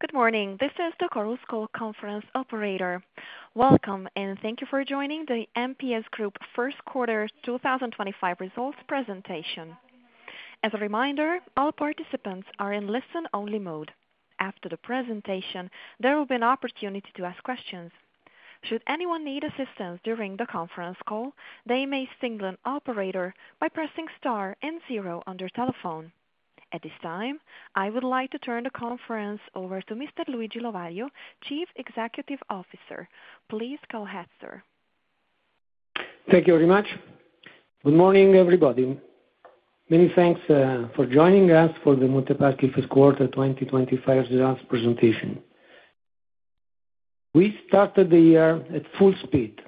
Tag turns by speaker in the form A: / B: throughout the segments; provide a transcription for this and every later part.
A: Good morning, this is the Chorus Call Conference Operator. Welcome, and thank you for joining the MPS Group First Quarter 2025 Results Presentation. As a reminder, all participants are in listen-only mode. After the presentation, there will be an opportunity to ask questions. Should anyone need assistance during the conference call, they may signal an operator by pressing star and zero on their telephone. At this time, I would like to turn the conference over to Mr. Luigi Lovaglio, Chief Executive Officer. Please go ahead.
B: Thank you very much. Good morning, everybody. Many thanks for joining us for the Banca Monte dei Paschi di Siena First Quarter 2025 Results Presentation. We started the year at full speed.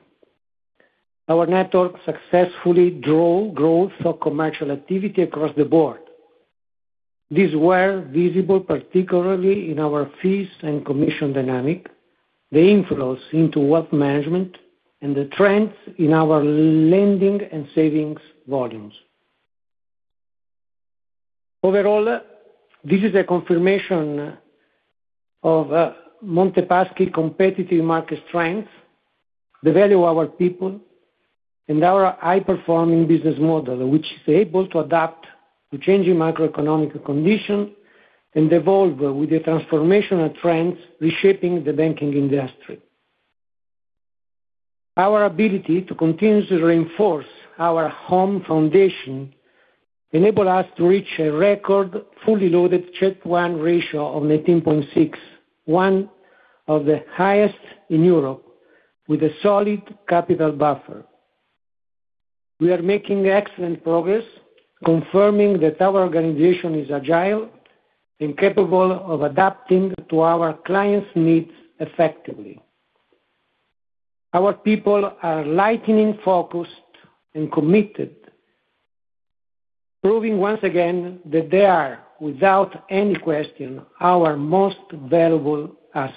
B: Our network successfully drove growth of commercial activity across the board. This was visible particularly in our fees and commission dynamic, the inflows into wealth management, and the trends in our lending and savings volumes. Overall, this is a confirmation of Banca Monte dei Paschi di Siena's competitive market strength, the value of our people, and our high-performing business model, which is able to adapt to changing macroeconomic conditions and evolve with the transformational trends reshaping the banking industry. Our ability to continuously reinforce our home foundation enabled us to reach a record fully loaded CET1 ratio of 19.6%, one of the highest in Europe, with a solid capital buffer. We are making excellent progress, confirming that our organization is agile and capable of adapting to our clients' needs effectively. Our people are lightning-focused and committed, proving once again that they are, without any question, our most valuable asset.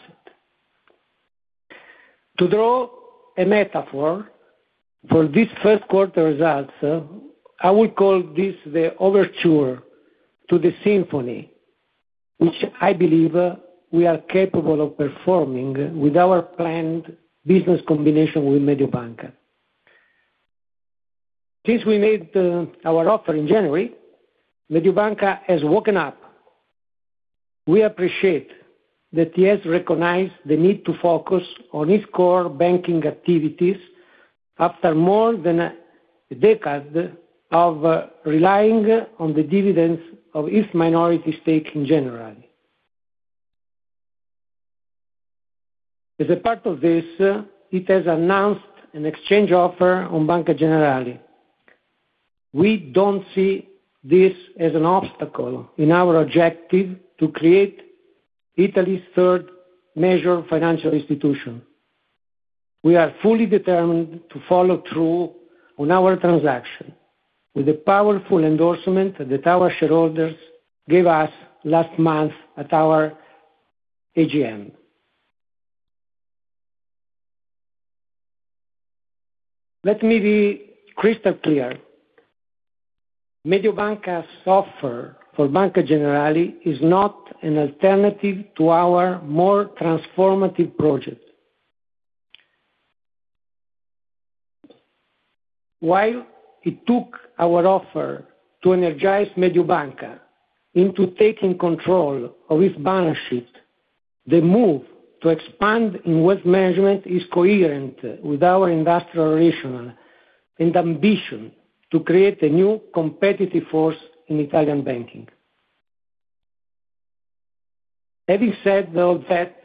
B: To draw a metaphor for this first quarter results, I would call this the overture to the symphony, which I believe we are capable of performing with our planned business combination with Mediobanca. Since we made our offer in January, Mediobanca has woken up. We appreciate that he has recognized the need to focus on his core banking activities after more than a decade of relying on the dividends of his minority stake in Generali. As a part of this, he has announced an exchange offer on Banca Generali. We do not see this as an obstacle in our objective to create Italy's third major financial institution. We are fully determined to follow through on our transaction with the powerful endorsement that our shareholders gave us last month at our AGM. Let me be crystal clear: Mediobanca's offer for Banca Generali is not an alternative to our more transformative project. While it took our offer to energize Mediobanca into taking control of its balance sheet, the move to expand in wealth management is coherent with our industrial original and ambition to create a new competitive force in Italian banking. Having said all that,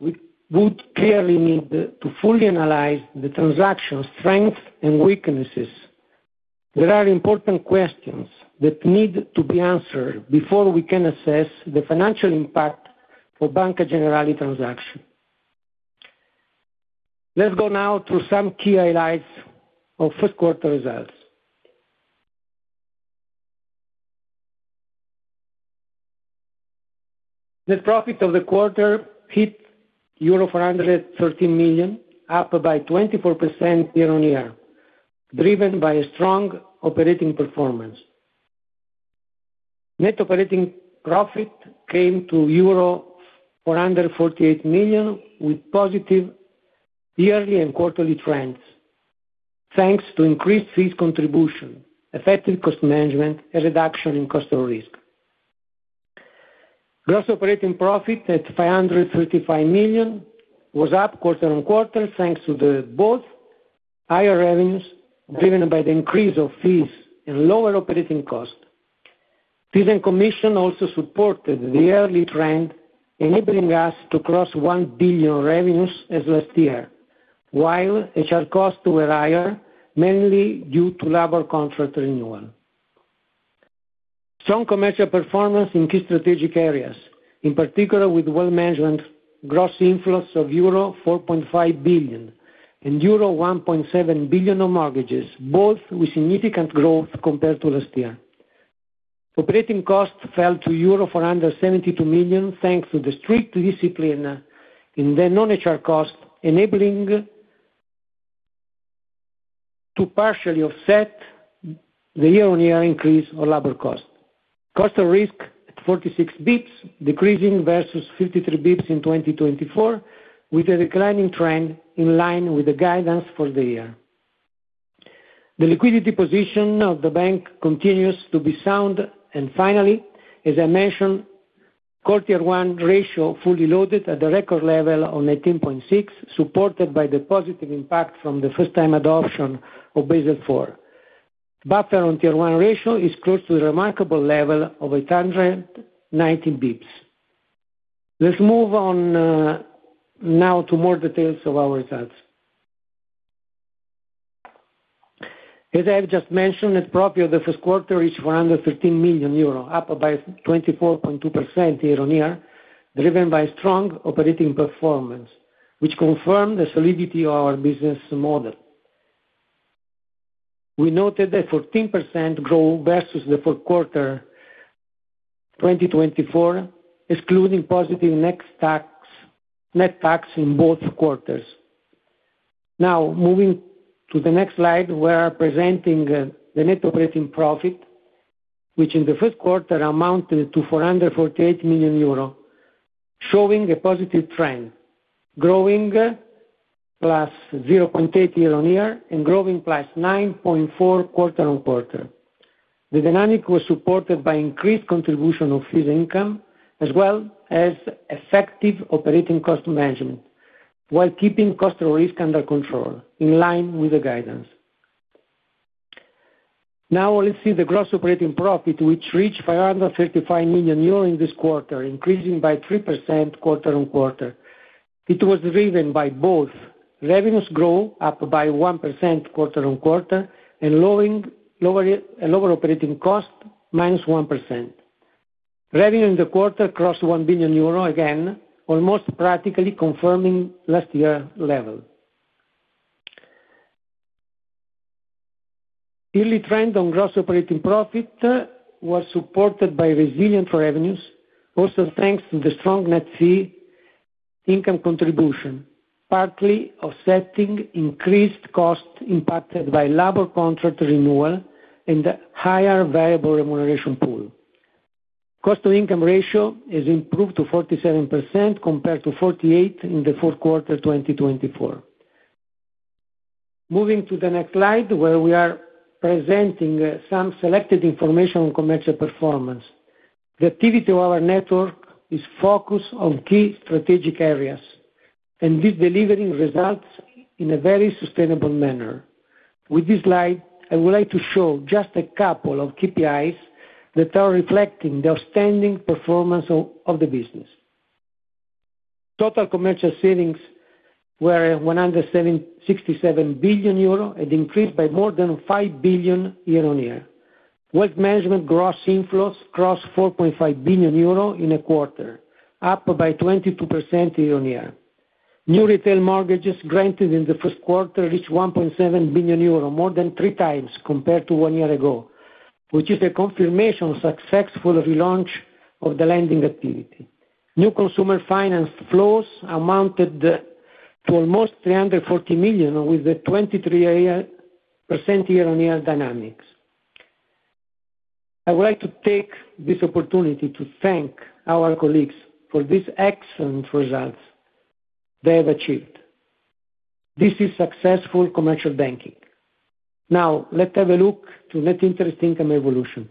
B: we would clearly need to fully analyze the transaction strengths and weaknesses. There are important questions that need to be answered before we can assess the financial impact for Banca Generali transaction. Let's go now to some key highlights of first quarter results. Net profit of the quarter hit euro 413 million, up by 24% year on year, driven by strong operating performance. Net operating profit came to euro 448 million, with positive yearly and quarterly trends, thanks to increased fees contribution, effective cost management, and reduction in cost of risk. Gross operating profit at 535 million was up quarter on quarter, thanks to both higher revenues driven by the increase of fees and lower operating costs. Fees and commission also supported the early trend, enabling us to cross 1 billion revenues as last year, while HR costs were higher, mainly due to labor contract renewal. Strong commercial performance in key strategic areas, in particular with well-managed gross inflows of euro 4.5 billion and euro 1.7 billion on mortgages, both with significant growth compared to last year. Operating costs fell to euro 472 million, thanks to the strict discipline in the non-HR cost, enabling to partially offset the year-on-year increase of labor costs. Cost of risk at 46 bps, decreasing versus 53 bps in 2024, with a declining trend in line with the guidance for the year. The liquidity position of the bank continues to be sound. Finally, as I mentioned, quarter one ratio fully loaded at the record level of 19.6%, supported by the positive impact from the first-time adoption of Basel IV. Buffer on Tier 1 ratio is close to the remarkable level of 819 bps. Let's move on now to more details of our results. As I have just mentioned, net profit of the first quarter reached 413 million euro, up by 24.2% year on year, driven by strong operating performance, which confirmed the solidity of our business model. We noted a 14% growth versus the fourth quarter 2024, excluding positive net tax in both quarters. Now, moving to the next slide, we are presenting the net operating profit, which in the first quarter amounted to 448 million euro, showing a positive trend, growing plus 0.8% year on year and growing plus 9.4% quarter on quarter. The dynamic was supported by increased contribution of fees income, as well as effective operating cost management, while keeping cost of risk under control, in line with the guidance. Now, let's see the gross operating profit, which reached 535 million euros in this quarter, increasing by 3% quarter on quarter. It was driven by both revenues growth up by 1% quarter on quarter and lower operating cost -1%. Revenue in the quarter crossed 1 billion euro again, almost practically confirming last year's level. Early trend on gross operating profit was supported by resilient revenues, also thanks to the strong net fee income contribution, partly offsetting increased costs impacted by labor contract renewal and higher variable remuneration pool. Cost/income ratio has improved to 47% compared to 48% in the fourth quarter 2024. Moving to the next slide, where we are presenting some selected information on commercial performance. The activity of our network is focused on key strategic areas, and this delivery results in a very sustainable manner. With this slide, I would like to show just a couple of KPIs that are reflecting the outstanding performance of the business. Total commercial savings were 167 billion euro and increased by more than 5 billion year on year. Wealth management gross inflows crossed 4.5 billion euro in a quarter, up by 22% year on year. New retail mortgages granted in the first quarter reached 1.7 billion euro, more than three times compared to one year ago, which is a confirmation of successful relaunch of the lending activity. New consumer finance flows amounted to almost 340 million, with a 23% year-on-year dynamics. I would like to take this opportunity to thank our colleagues for these excellent results they have achieved. This is successful commercial banking. Now, let's have a look at net interest income evolution.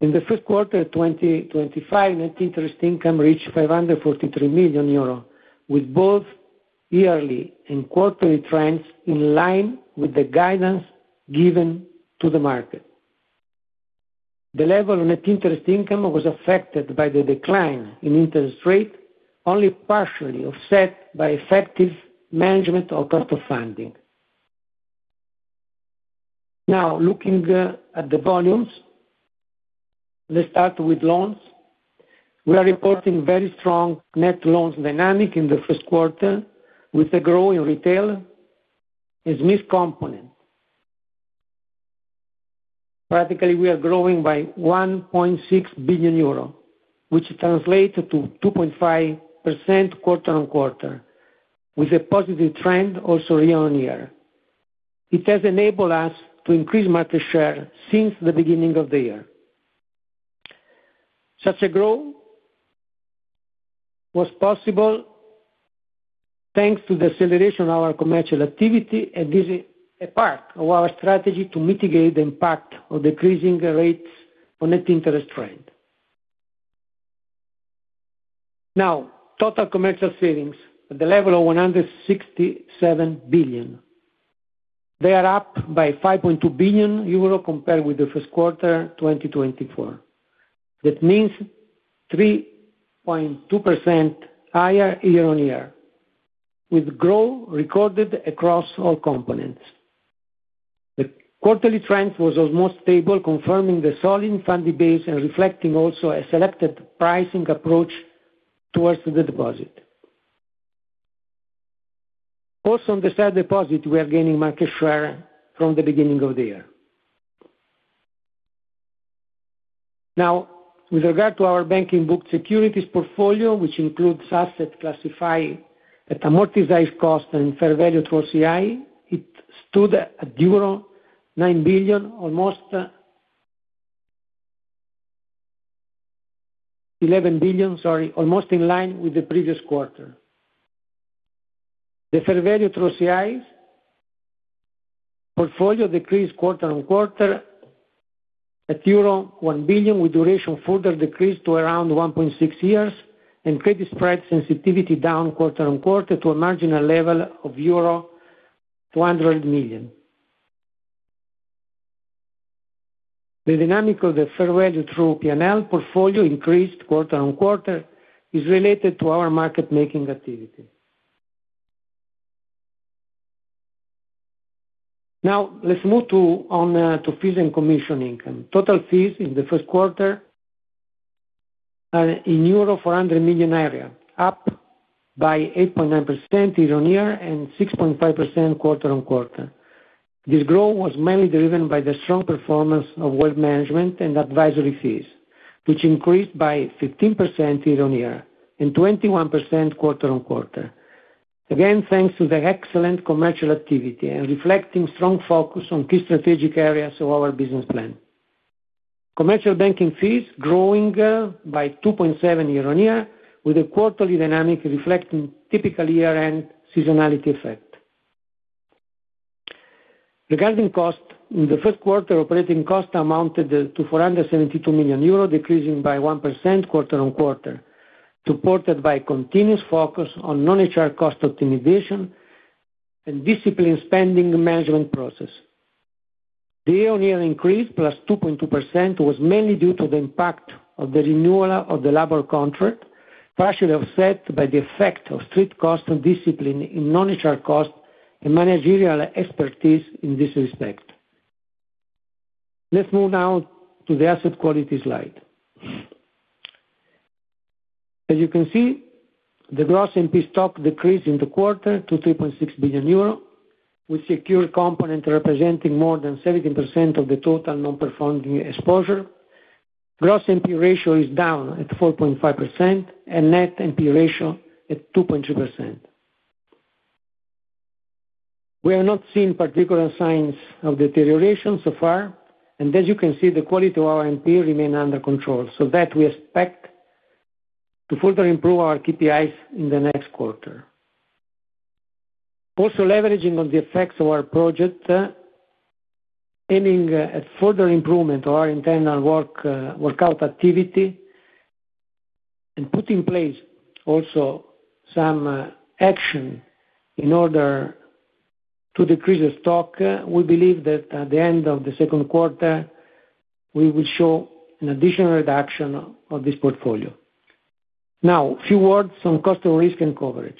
B: In the first quarter of 2025, net interest income reached 543 million euro, with both yearly and quarterly trends in line with the guidance given to the market. The level of net interest income was affected by the decline in interest rate, only partially offset by effective management of cost of funding. Now, looking at the volumes, let's start with loans. We are reporting very strong net loans dynamic in the first quarter, with a growing retail as missed component. Practically, we are growing by 1.6 billion euro, which translates to 2.5% quarter on quarter, with a positive trend also year on year. It has enabled us to increase market share since the beginning of the year. Such a growth was possible thanks to the acceleration of our commercial activity and this is a part of our strategy to mitigate the impact of decreasing rates on net interest rate. Now, total commercial savings at the level of 167 billion. They are up by 5.2 billion euro compared with the first quarter 2024. That means 3.2% higher year on year, with growth recorded across all components. The quarterly trend was almost stable, confirming the solid funding base and reflecting also a selected pricing approach towards the deposit. Also, on the share deposit, we are gaining market share from the beginning of the year. Now, with regard to our banking booked securities portfolio, which includes assets classified at amortized cost and fair value at ROCI, it stood at euro 9 billion, almost 11 billion, sorry, almost in line with the previous quarter. The fair value at ROCI portfolio decreased quarter on quarter at euro 1 billion, with duration further decreased to around 1.6 years and credit spread sensitivity down quarter on quarter to a marginal level of euro 200 million. The dynamic of the fair value through P&L portfolio increased quarter on quarter is related to our market-making activity. Now, let's move on to fees and commission income. Total fees in the first quarter are in 400 million euro area, up by 8.9% year on year and 6.5% quarter on quarter. This growth was mainly driven by the strong performance of wealth management and advisory fees, which increased by 15% year on year and 21% quarter on quarter, again thanks to the excellent commercial activity and reflecting strong focus on key strategic areas of our business plan. Commercial banking fees growing by 2.7% year on year, with a quarterly dynamic reflecting typical year-end seasonality effect. Regarding cost, in the first quarter, operating cost amounted to 472 million euro, decreasing by 1% quarter on quarter, supported by continuous focus on non-HR cost optimization and disciplined spending management process. The year-on-year increase plus 2.2% was mainly due to the impact of the renewal of the labor contract, partially offset by the effect of strict cost and discipline in non-HR cost and managerial expertise in this respect. Let's move now to the asset quality slide. As you can see, the gross NP stock decreased in the quarter to 3.6 billion euro, with secure component representing more than 17% of the total non-performing exposure. Gross NPL ratio is down at 4.5% and net NPE ratio at 2.3%. We have not seen particular signs of deterioration so far, and as you can see, the quality of our NPE remained under control, so that we expect to further improve our KPIs in the next quarter. Also, leveraging on the effects of our project, aiming at further improvement of our internal workout activity and putting in place also some action in order to decrease the stock, we believe that at the end of the second quarter, we will show an additional reduction of this portfolio. Now, a few words on cost of risk and coverage.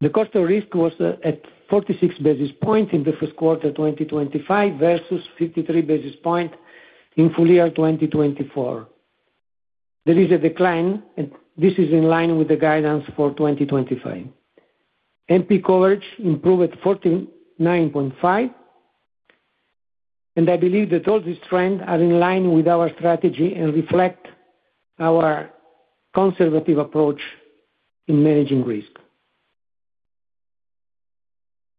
B: The cost of risk was at 46 basis points in the first quarter 2025 versus 53 basis points in full year 2024. There is a decline, and this is in line with the guidance for 2025. NP COG improved at 49.5, and I believe that all these trends are in line with our strategy and reflect our conservative approach in managing risk.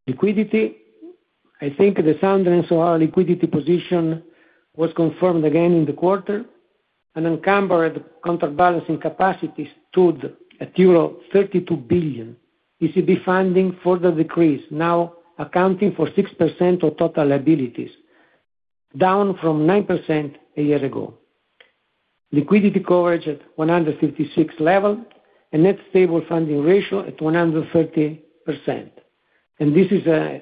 B: Liquidity, I think the soundness of our liquidity position was confirmed again in the quarter. Unencumbered contract balancing capacity stood at euro 32 billion. ECB funding further decreased, now accounting for 6% of total liabilities, down from 9% a year ago. Liquidity Coverage at 156 level and Net Stable Funding Ratio at 130%. This is a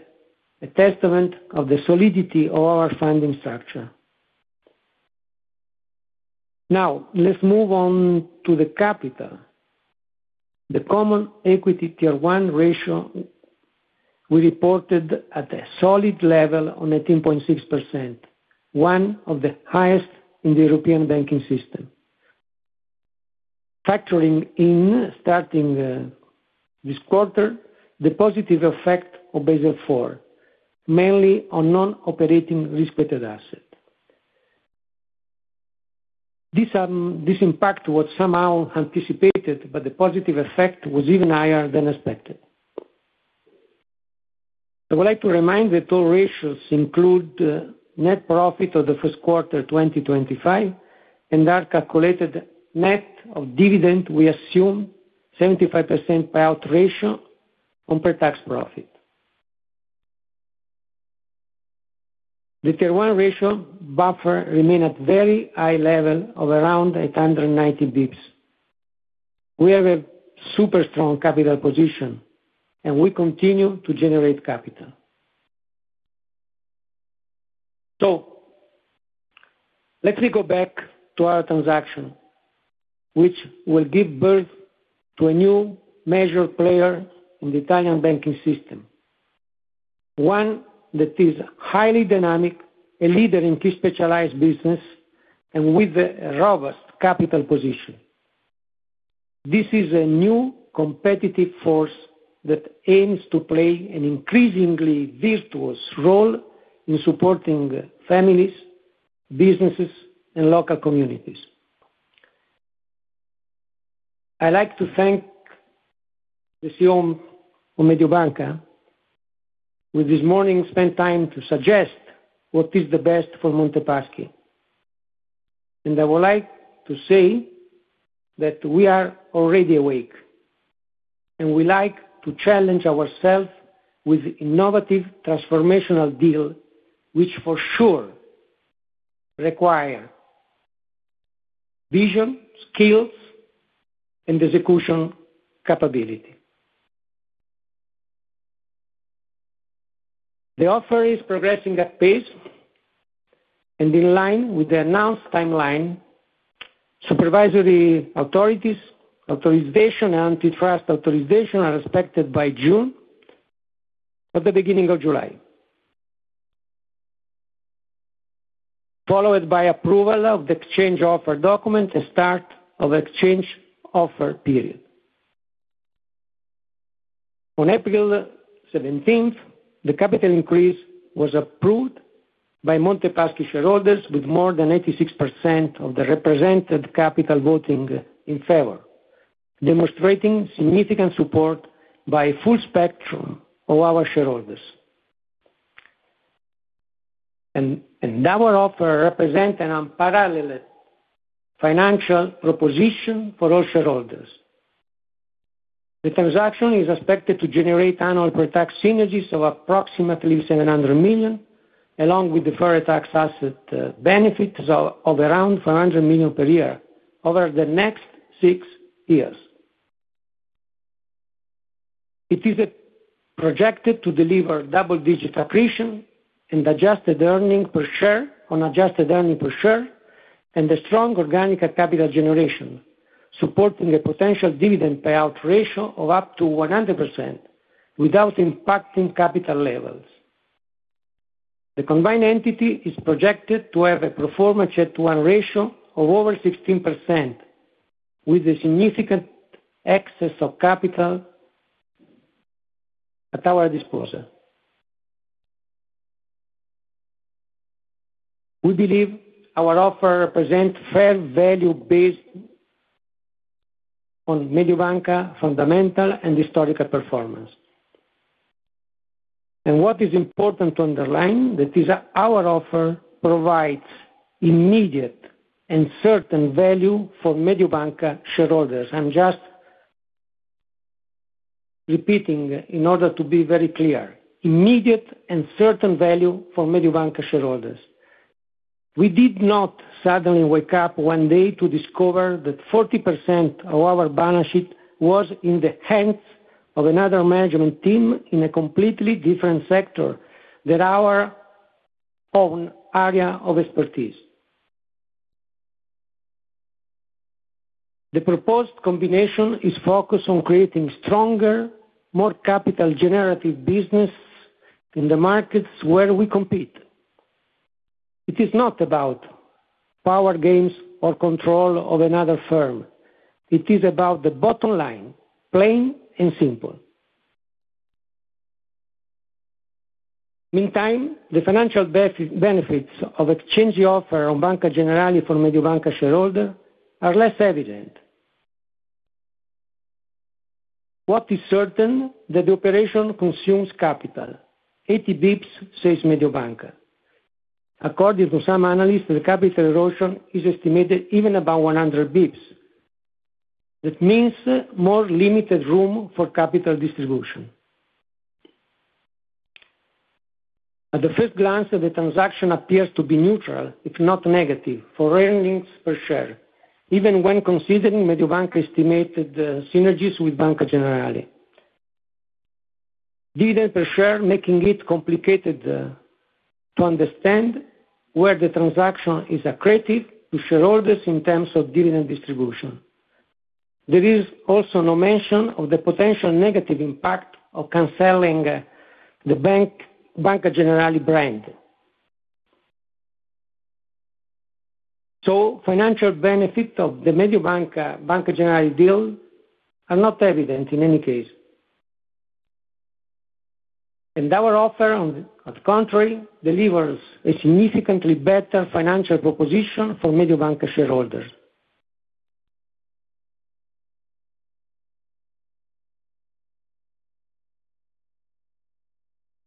B: testament of the solidity of our funding structure. Now, let's move on to the capital. The common equity tier one ratio we reported at a solid level of 19.6%, one of the highest in the European banking system. Factoring in, starting this quarter, the positive effect of Basel IV, mainly on non-operating risk-weighted asset. This impact was somehow anticipated, but the positive effect was even higher than expected. I would like to remind that all ratios include net profit of the first quarter 2025 and are calculated net of dividend, we assume 75% payout ratio on pre-tax profit. The tier one ratio buffer remained at very high level of around 890 basis points. We have a super strong capital position, and we continue to generate capital. Let me go back to our transaction, which will give birth to a new major player in the Italian banking system, one that is highly dynamic, a leader in key specialized business, and with a robust capital position. This is a new competitive force that aims to play an increasingly virtuous role in supporting families, businesses, and local communities. I'd like to thank the CEO of Mediobanca, who this morning spent time to suggest what is the best for Monte Paschi. I would like to say that we are already awake, and we like to challenge ourselves with innovative transformational deals, which for sure require vision, skills, and execution capability. The offer is progressing at pace, and in line with the announced timeline, supervisory authorization and antitrust authorization are expected by June or the beginning of July, followed by approval of the exchange offer documents and start of exchange offer period. On April 17th, the capital increase was approved by Monte Paschi shareholders, with more than 86% of the represented capital voting in favor, demonstrating significant support by a full spectrum of our shareholders. Our offer represents an unparalleled financial proposition for all shareholders. The transaction is expected to generate annual pre-tax synergies of approximately 700 million, along with the foreign tax asset benefits of around 400 million per year over the next six years. It is projected to deliver double-digit accretion and adjusted earnings per share on adjusted earnings per share, and a strong organic capital generation, supporting a potential dividend payout ratio of up to 100% without impacting capital levels. The combined entity is projected to have a performance yet to one ratio of over 16%, with a significant excess of capital at our disposal. We believe our offer represents fair value based on Mediobanca's fundamental and historical performance. What is important to underline is that our offer provides immediate and certain value for Mediobanca shareholders. I'm just repeating in order to be very clear: immediate and certain value for Mediobanca shareholders. We did not suddenly wake up one day to discover that 40% of our balance sheet was in the hands of another management team in a completely different sector than our own area of expertise. The proposed combination is focused on creating stronger, more capital-generative businesses in the markets where we compete. It is not about power games or control of another firm. It is about the bottom line, plain and simple. Meantime, the financial benefits of exchange offer on Banca Generali for Mediobanca shareholders are less evident. What is certain is that the operation consumes capital: 80 bps, says Mediobanca. According to some analysts, the capital erosion is estimated even above 100 bps. That means more limited room for capital distribution. At first glance, the transaction appears to be neutral, if not negative, for earnings per share, even when considering Mediobanca's estimated synergies with Banca Generali. Dividend per share making it complicated to understand where the transaction is accretive to shareholders in terms of dividend distribution. There is also no mention of the potential negative impact of canceling the Banca Generali brand. Financial benefits of the Mediobanca-Banca Generali deal are not evident in any case. Our offer, on the contrary, delivers a significantly better financial proposition for Mediobanca shareholders.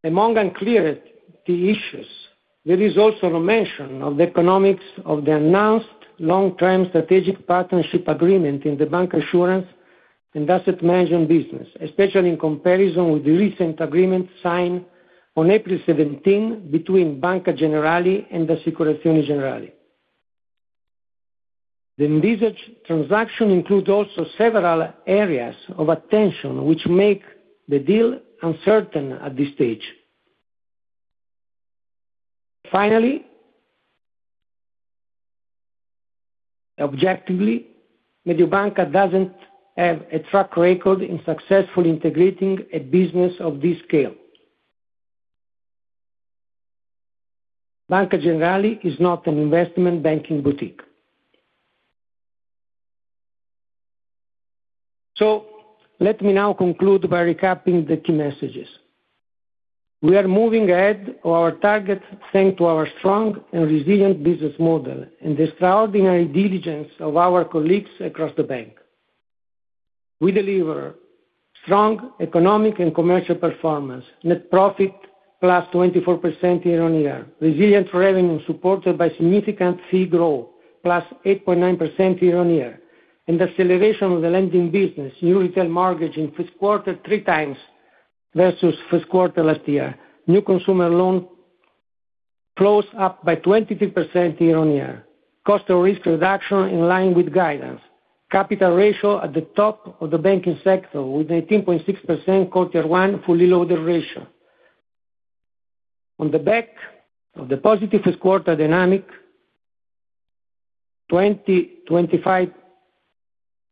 B: Among unclear issues, there is also no mention of the economics of the announced long-term strategic partnership agreement in the bancassurance and asset management business, especially in comparison with the recent agreement signed on April 17 between Banca Generali and Assicurazioni Generali. The envisaged transaction includes also several areas of attention, which make the deal uncertain at this stage. Finally, objectively, Mediobanca does not have a track record in successfully integrating a business of this scale. Banca Generali is not an investment banking boutique. Let me now conclude by recapping the key messages. We are moving ahead of our target thanks to our strong and resilient business model and the extraordinary diligence of our colleagues across the bank. We deliver strong economic and commercial performance, net profit +24% year on year, resilient revenue supported by significant fee growth +8.9% year on year, and acceleration of the lending business, new retail mortgage in fiscal quarter three times versus fiscal quarter last year, new consumer loan close up by 23% year on year, cost of risk reduction in line with guidance, capital ratio at the top of the banking sector with 18.6% quarter one fully loaded ratio. On the back of the positive fiscal quarter dynamic, 2025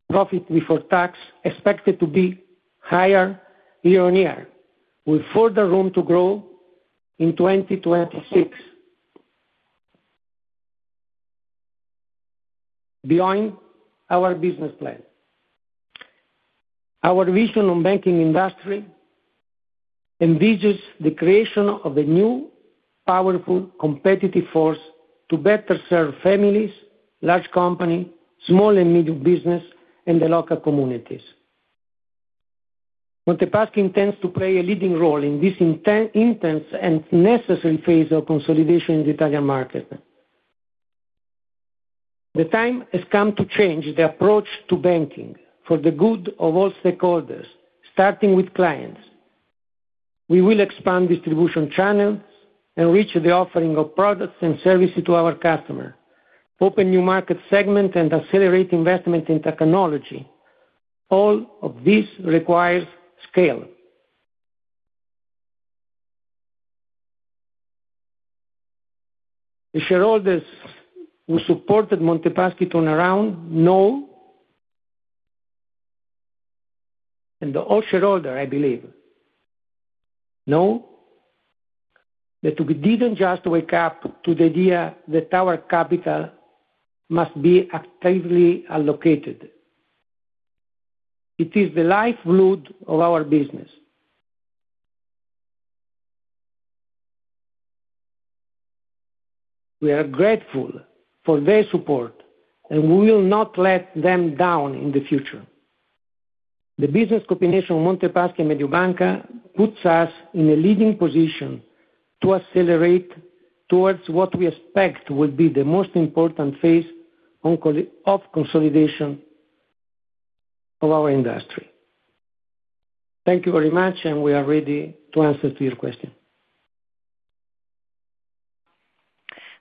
B: profit before tax is expected to be higher year on year, with further room to grow in 2026 beyond our business plan. Our vision on banking industry envisages the creation of a new powerful competitive force to better serve families, large companies, small and medium businesses, and the local communities. Monte Paschi intends to play a leading role in this intense and necessary phase of consolidation in the Italian market. The time has come to change the approach to banking for the good of all stakeholders, starting with clients. We will expand distribution channels and reach the offering of products and services to our customers, open new market segments, and accelerate investment in technology. All of this requires scale. The shareholders who supported Monte Paschi turned around, no, and all shareholders, I believe, know that we didn't just wake up to the idea that our capital must be actively allocated. It is the lifeblood of our business. We are grateful for their support, and we will not let them down in the future. The business combination of Monte Paschi and Mediobanca puts us in a leading position to accelerate towards what we expect will be the most important phase of consolidation of our industry. Thank you very much, and we are ready to answer your question.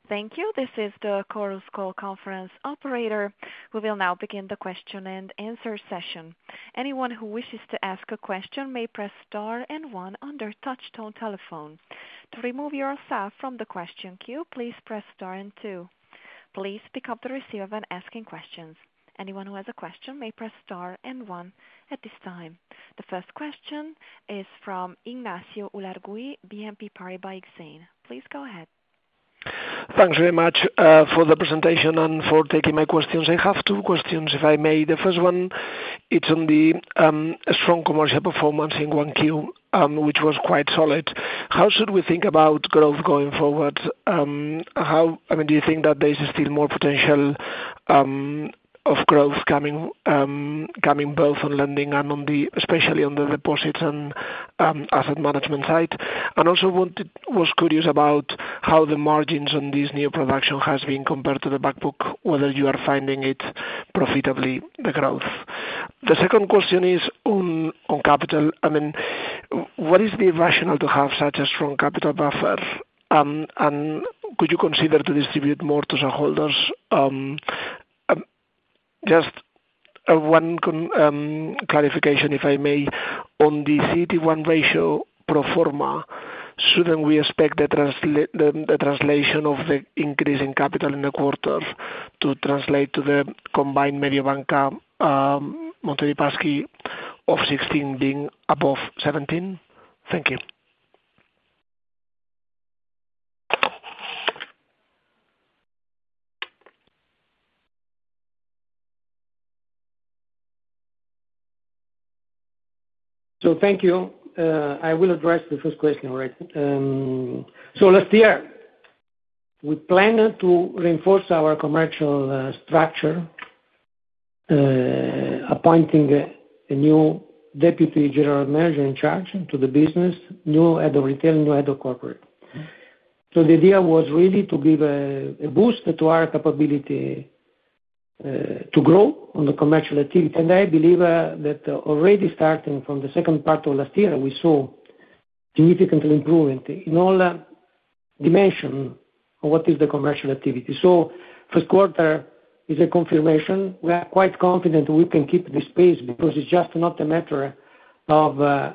A: Thank you. This is the Chorus Call Conference operator. We will now begin the question and answer session. Anyone who wishes to ask a question may press star and one on their touch-tone telephone. To remove yourself from the question queue, please press star and two. Please pick up the receiver when asking questions. Anyone who has a question may press star and one at this time. The first question is from Ignacio Ulargui, BNP Paribas Exane. Please go ahead.
C: Thanks very much for the presentation and for taking my questions. I have two questions, if I may. The first one, it is on the strong commercial performance in Q1, which was quite solid. How should we think about growth going forward? I mean, do you think that there is still more potential of growth coming both on lending and especially on the deposits and asset management side? Also, I was curious about how the margins on this new production have been compared to the backbook, whether you are finding it profitably, the growth. The second question is on capital. I mean, what is the rationale to have such a strong capital buffer? Could you consider to distribute more to shareholders? Just one clarification, if I may. On the CET1 ratio pro forma, should we not expect the translation of the increase in capital in the quarter to translate to the combined Mediobanca Monte dei Paschi di Siena of 16 being above 17? Thank you.
B: Thank you. I will address the first question already. Last year, we planned to reinforce our commercial structure, appointing a new Deputy General Manager in charge of the business, new Head of Retail, new Head of Corporate. The idea was really to give a boost to our capability to grow on the commercial activity. I believe that already starting from the second part of last year, we saw significant improvement in all dimensions of what is the commercial activity. This fiscal quarter is a confirmation. We are quite confident we can keep this pace because it is just not a matter of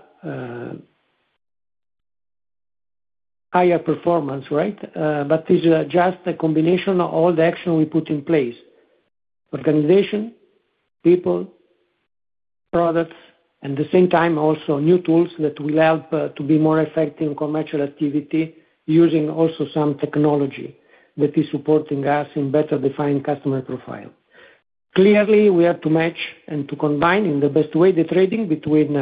B: higher performance, right? It is just a combination of all the actions we put in place: organization, people, products, and at the same time, also new tools that will help to be more effective in commercial activity using also some technology that is supporting us in better defining customer profile. Clearly, we have to match and to combine in the best way the trading between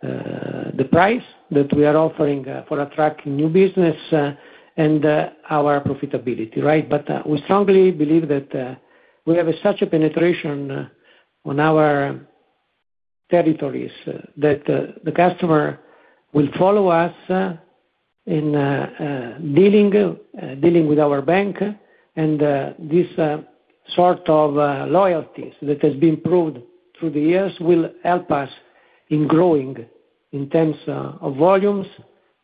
B: the price that we are offering for attracting new business and our profitability, right? We strongly believe that we have such a penetration on our territories that the customer will follow us in dealing with our bank. This sort of loyalty that has been proved through the years will help us in growing in terms of volumes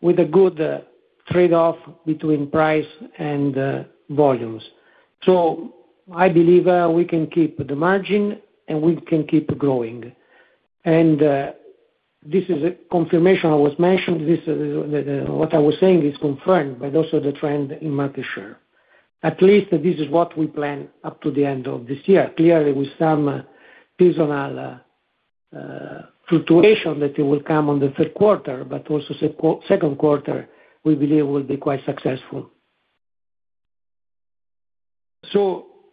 B: with a good trade-off between price and volumes. I believe we can keep the margin and we can keep growing. This is a confirmation I was mentioning. What I was saying is confirmed by also the trend in market share. At least this is what we plan up to the end of this year. Clearly, with some seasonal fluctuation that will come on the third quarter, but also second quarter, we believe will be quite successful.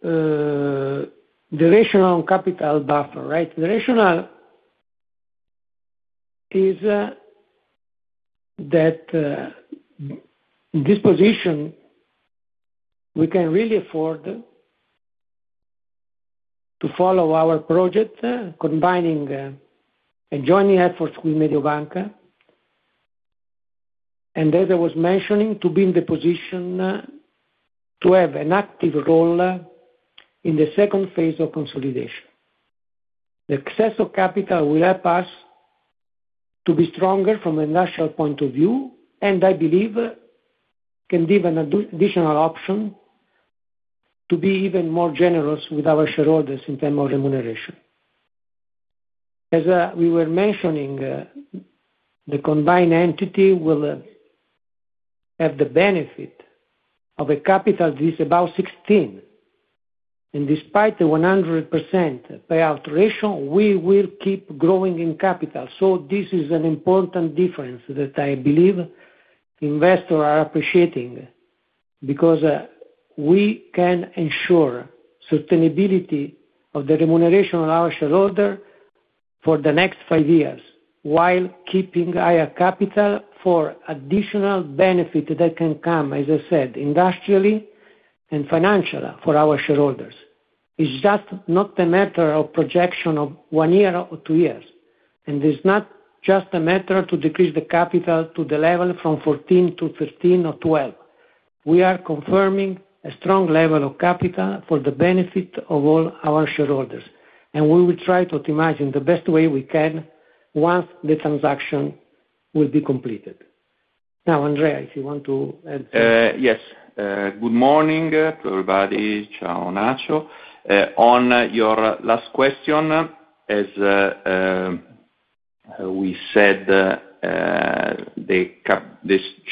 B: The rational capital buffer, right? The rationale is that in this position, we can really afford to follow our project, combining and joining efforts with Mediobanca, and as I was mentioning, to be in the position to have an active role in the second phase of consolidation. The excess of capital will help us to be stronger from a national point of view, and I believe can give an additional option to be even more generous with our shareholders in terms of remuneration. As we were mentioning, the combined entity will have the benefit of a capital that is about 16. Despite the 100% payout ratio, we will keep growing in capital. This is an important difference that I believe investors are appreciating because we can ensure sustainability of the remuneration of our shareholders for the next five years while keeping higher capital for additional benefits that can come, as I said, industrially and financially for our shareholders. It is just not a matter of projection of one year or two years. It is not just a matter to decrease the capital to the level from 14-15 or 12. We are confirming a strong level of capital for the benefit of all our shareholders. We will try to optimize in the best way we can once the transaction will be completed. Now, Andrea, if you want to add something.
D: Yes. Good morning to everybody. Ciao, Ignacio. On your last question, as we said, the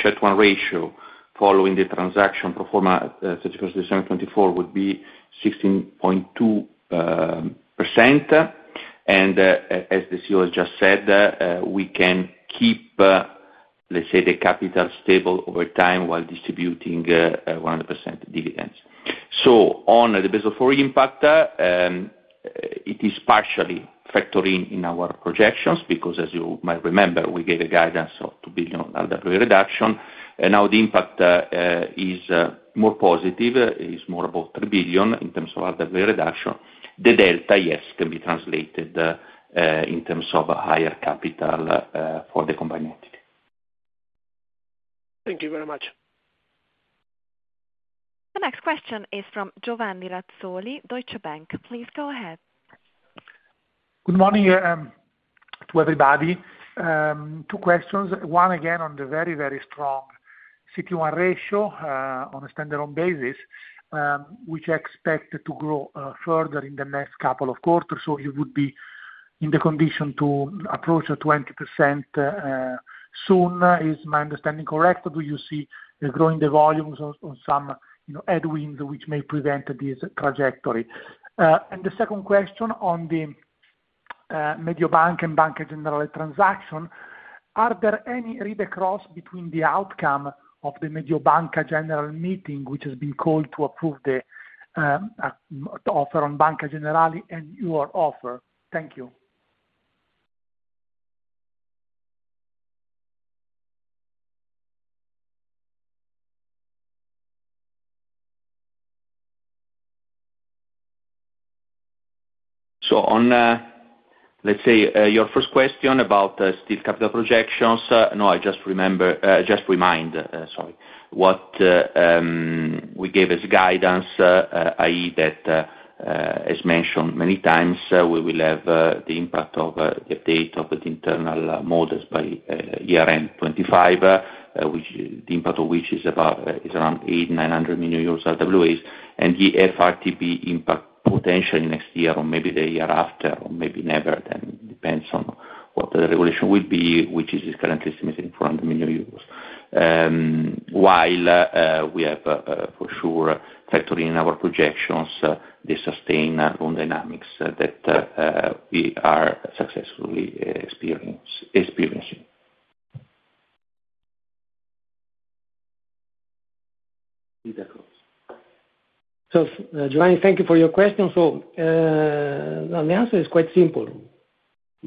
D: CET1 ratio following the transaction pro forma fiscal quarter 2024 would be 16.2%. As the CEO has just said, we can keep, let's say, the capital stable over time while distributing 100% dividends. On the basis of our impact, it is partially factored in in our projections because, as you might remember, we gave a guidance of 2 billion RWA reduction. Now the impact is more positive. It is more about 3 billion in terms of RWA reduction. The delta, yes, can be translated in terms of higher capital for the combined entity.
C: Thank you very much.
A: The next question is from Giovanni Razzoli, Deutsche Bank. Please go ahead.
E: Good morning to everybody. Two questions. One, again, on the very, very strong CET1 ratio on a standalone basis, which I expect to grow further in the next couple of quarters. You would be in the condition to approach 20% soon. Is my understanding correct? Do you see growing the volumes or some headwinds which may prevent this trajectory? The second question on the Mediobanca and Banca Generali transaction, are there any read across between the outcome of the Mediobanca General meeting, which has been called to approve the offer on Banca Generali and your offer? Thank you.
D: On your first question about still capital projections, I just remind, sorry, what we gave as guidance, i.e., that, as mentioned many times, we will have the impact of the update of the internal models by year-end 2025, the impact of which is around 8,900 million euros RWAs. The FRTB impact potentially next year or maybe the year after, or maybe never, depends on what the regulation will be, which is currently estimated in 400 million euros. While we have for sure factored in our projections the sustained loan dynamics that we are successfully experiencing.
B: Giovanni, thank you for your question. The answer is quite simple.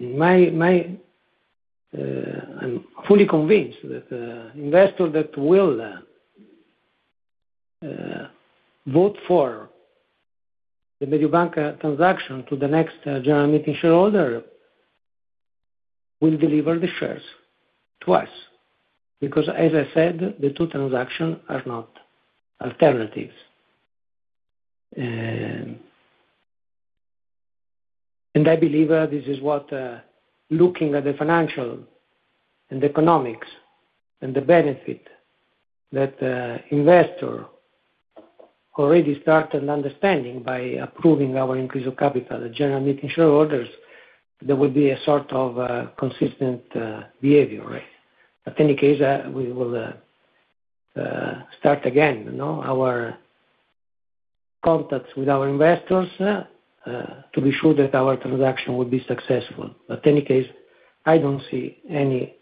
B: I'm fully convinced that investors that will vote for the Mediobanca transaction at the next general meeting shareholder will deliver the shares to us because, as I said, the two transactions are not alternatives. I believe this is what, looking at the financial and economics and the benefit that investors already started understanding by approving our increase of capital at general meeting shareholders, there will be a sort of consistent behavior, right? In any case, we will start again our contacts with our investors to be sure that our transaction will be successful. In any case, I do not see any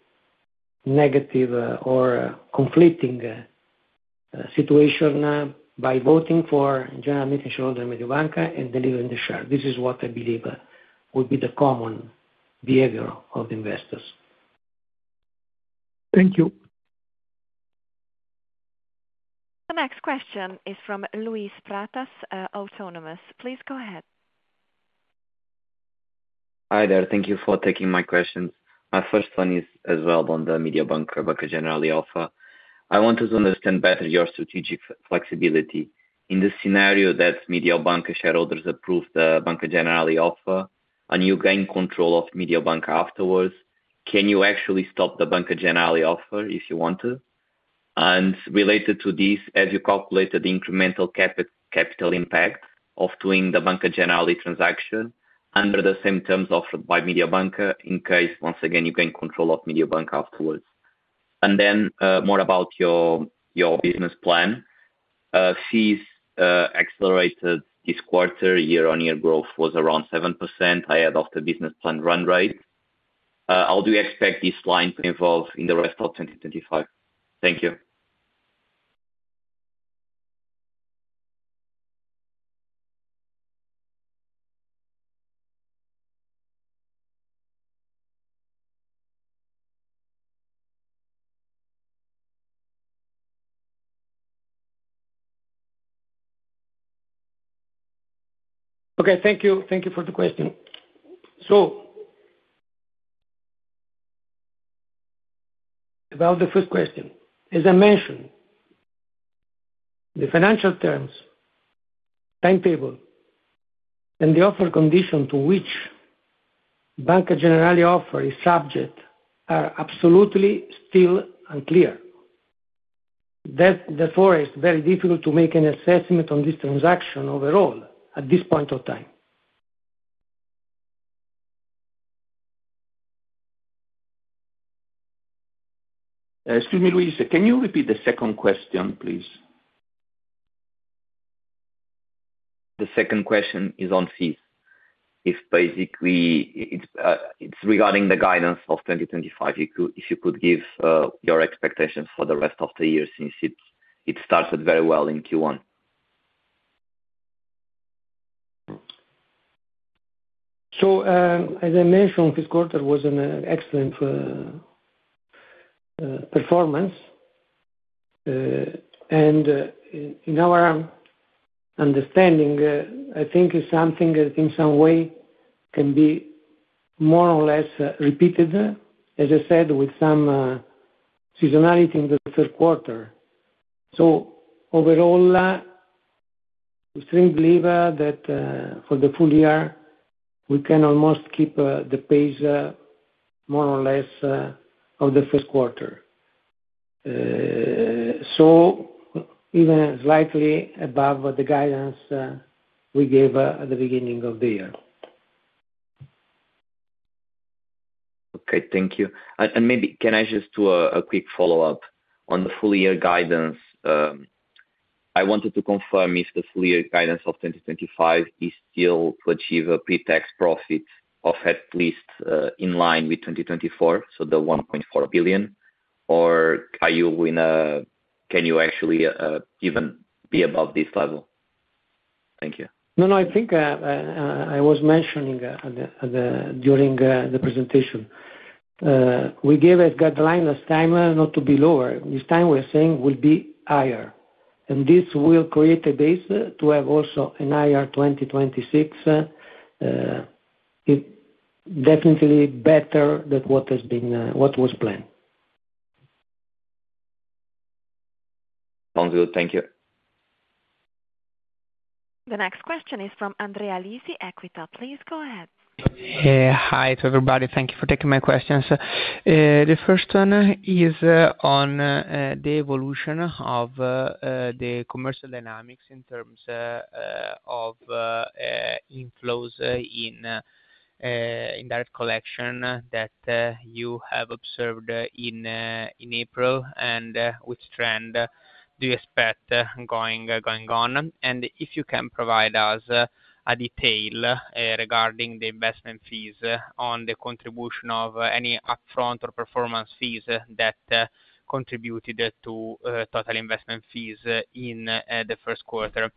B: negative or conflicting situation by voting for general meeting shareholder Mediobanca and delivering the share. This is what I believe would be the common behavior of the investors.
E: Thank you.
A: The next question is from Luis Pratas, Autonomous. Please go ahead.
F: Hi there. Thank you for taking my questions. My first one is as well on the Mediobanca General Offer. I wanted to understand better your strategic flexibility. In the scenario that Mediobanca shareholders approve the Banca Generali Offer, and you gain control of Mediobanca afterwards, can you actually stop the Banca Generali Offer if you want to? Related to this, have you calculated the incremental capital impact of doing the Banca Generali transaction under the same terms offered by Mediobanca in case, once again, you gain control of Mediobanca afterwards? More about your business plan. Fees accelerated this quarter. Year-on-year growth was around 7%. I had offered business plan run rate. How do you expect this line to evolve in the rest of 2025? Thank you.
B: Thank you. Thank you for the question. About the first question. As I mentioned, the financial terms, timetable, and the offer condition to which Banca Generali Offer is subject are absolutely still unclear. Therefore, it is very difficult to make an assessment on this transaction overall at this point of time.
D: Excuse me, Luis. Can you repeat the second question, please?
F: The second question is on fees. It is basically regarding the guidance of 2025. If you could give your expectations for the rest of the year since it started very well in Q1.
B: As I mentioned, fiscal quarter was an excellent performance. In our understanding, I think it is something that in some way can be more or less repeated, as I said, with some seasonality in the third quarter. Overall, we strongly believe that for the full year, we can almost keep the pace more or less of the fiscal quarter, even slightly above the guidance we gave at the beginning of the year.
F: Okay. Thank you. Maybe can I just do a quick follow-up on the full-year guidance? I wanted to confirm if the full-year guidance of 2025 is still to achieve a pre-tax profit of at least in line with 2024, so the 1.4 billion, or can you actually even be above this level? Thank you.
B: No, no. I think I was mentioning during the presentation, we gave a guideline last time not to be lower. This time we are saying will be higher. This will create a base to have also a higher 2026. It is definitely better than what was planned.
F: Sounds good. Thank you.
A: The next question is from Andrea Lisi, Equita. Please go ahead.
G: Hi, to everybody. Thank you for taking my questions. The first one is on the evolution of the commercial dynamics in terms of inflows in direct collection that you have observed in April and which trend do you expect going on? If you can provide us a detail regarding the investment fees on the contribution of any upfront or performance fees that contributed to total investment fees in the first quarter.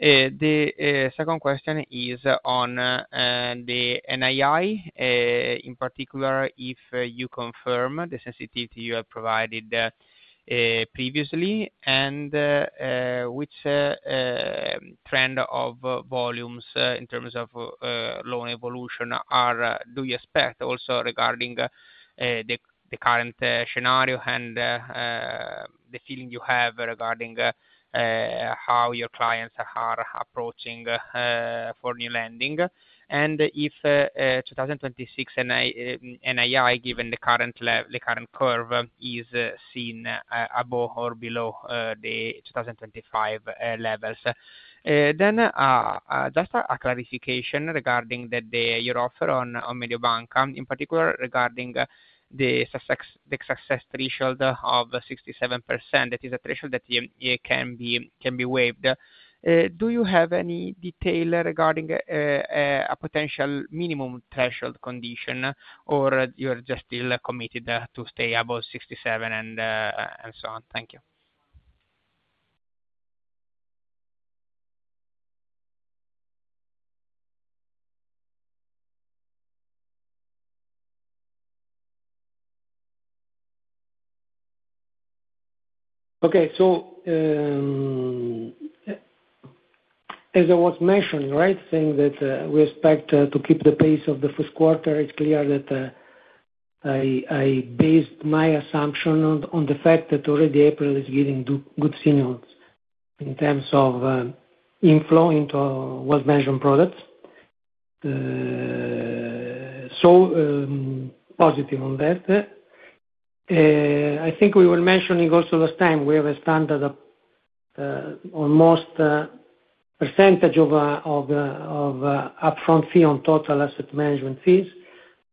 G: The second question is on the NII, in particular, if you confirm the sensitivity you have provided previously and which trend of volumes in terms of loan evolution do you expect also regarding the current scenario and the feeling you have regarding how your clients are approaching for new lending? If 2026 NII, given the current curve, is seen above or below the 2025 levels, just a clarification regarding your offer on Mediobanca, in particular regarding the success threshold of 67%. That is a threshold that can be waived. Do you have any detail regarding a potential minimum threshold condition, or you are just still committed to stay above 67% and so on? Thank you. Okay.
B: As I was mentioning, right, saying that we expect to keep the pace of the fiscal quarter, it's clear that I based my assumption on the fact that already April is giving good signals in terms of inflow into what mentioned products. Positive on that. I think we were mentioning also last time we have a standard of almost percentage of upfront fee on total asset management fees,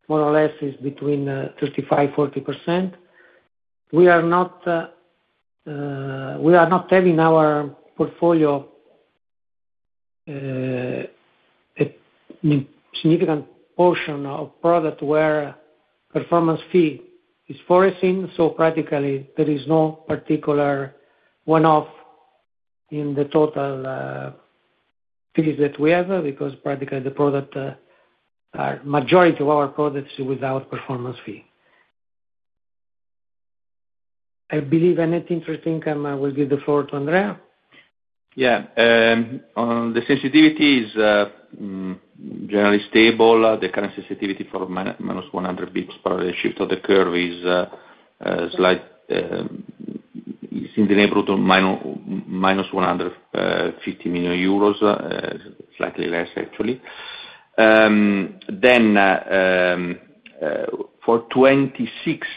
B: more or less is between 35-40%. We are not having in our portfolio a significant portion of product where performance fee is forcing. Practically, there is no particular one-off in the total fees that we have because practically the majority of our products are without performance fee. I believe anything interesting, I will give the floor to Andrea.
D: Yeah. On the sensitivity, it's generally stable. The current sensitivity for -100 bps shift of the curve is in the neighborhood of -150 million euros, slightly less, actually. For 2026,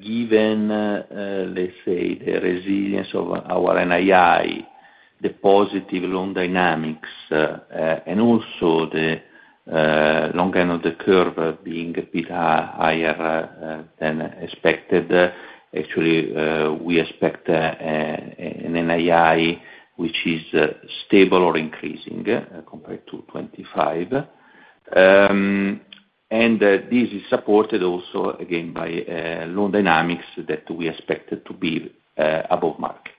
D: given, let's say, the resilience of our NII, the positive loan dynamics, and also the long end of the curve being a bit higher than expected, actually, we expect an NII which is stable or increasing compared to 2025. This is supported also, again, by loan dynamics that we expect to be above market.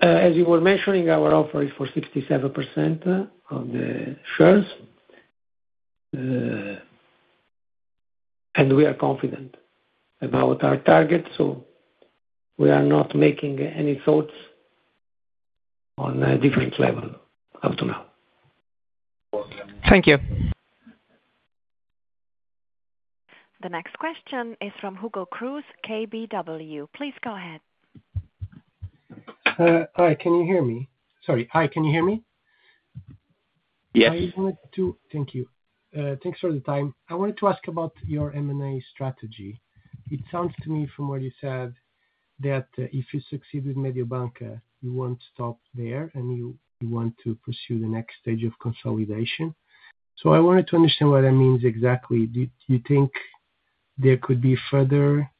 B: As you were mentioning, our offer is for 67% of the shares. We are confident about our target. We are not making any thoughts on a different level up to now.
G: Thank you.
A: The next question is from Hugo Cruz, KBW. Please go ahead.
H: Hi. Can you hear me? Sorry. Hi. Can you hear me? Yes. I wanted to thank you. Thanks for the time. I wanted to ask about your M&A strategy. It sounds to me, from what you said, that if you succeed with Mediobanca, you won't stop there and you want to pursue the next stage of consolidation. I wanted to understand what that means exactly. Do you think there could be further?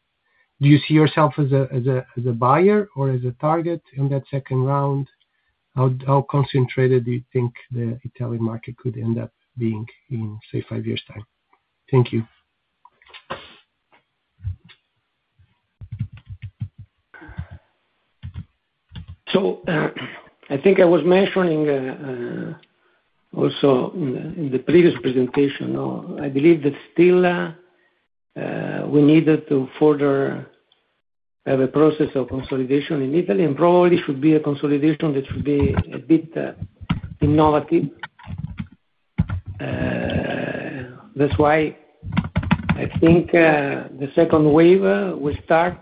H: Do you see yourself as a buyer or as a target in that second round? How concentrated do you think the Italian market could end up being in, say, five years' time? Thank you.
B: I think I was mentioning also in the previous presentation, I believe that still we needed to further have a process of consolidation in Italy, and probably it should be a consolidation that should be a bit innovative. That's why I think the second wave will start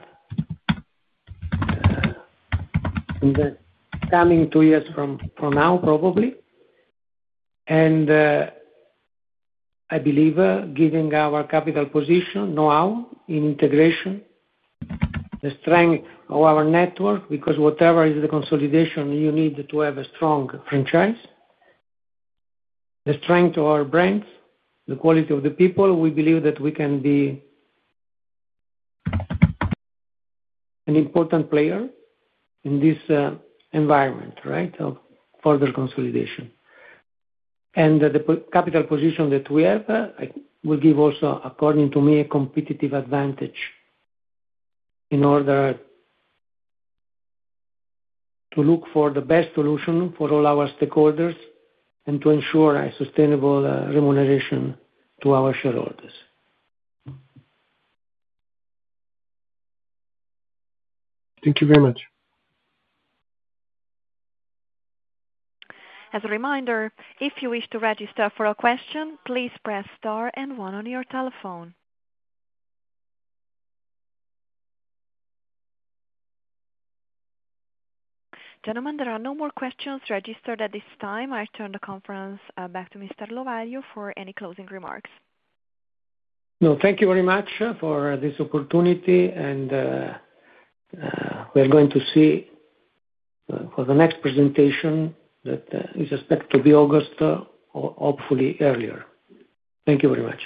B: in the coming two years from now, probably. I believe, given our capital position now in integration, the strength of our network, because whatever is the consolidation, you need to have a strong franchise, the strength of our brands, the quality of the people. We believe that we can be an important player in this environment, right, of further consolidation. The capital position that we have will give also, according to me, a competitive advantage in order to look for the best solution for all our stakeholders and to ensure a sustainable remuneration to our shareholders.
H: Thank you very much.
A: As a reminder, if you wish to register for a question, please press star and one on your telephone. Gentlemen, there are no more questions registered at this time. I turn the conference back to Mr. Lovaglio for any closing remarks.
B: No, thank you very much for this opportunity. We are going to see for the next presentation that is expected to be August, hopefully earlier. Thank you very much.